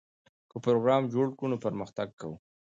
که پروګرام جوړ کړو نو پرمختګ کوو.